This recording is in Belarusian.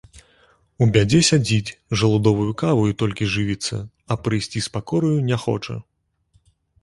У бядзе сядзіць, жалудовай каваю толькі жывіцца, а прыйсці з пакораю не хоча.